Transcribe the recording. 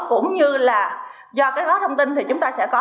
cũng như là do các loại thông tin thì chúng ta sẽ có